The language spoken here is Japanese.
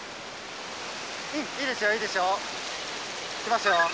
うんいいですよいいですよ。来ますよ。